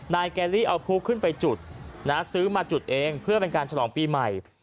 แกลลี่เอาผู้ขึ้นไปจุดซื้อมาจุดเองเพื่อเป็นการฉลองปีใหม่